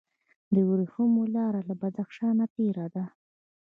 د ورېښمو لاره له بدخشان تیریده